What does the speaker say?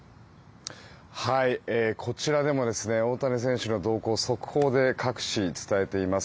こちらでも大谷選手の動向速報で各紙伝えています。